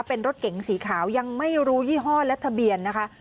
เป็นรถเก๋งสีขาวยังไม่รู้ยี่ห้อและทะเบียนนะคะ